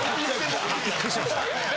びっくりしました。